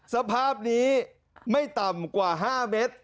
สภาพนี้ไม่ต่ำกว่า๕เมตร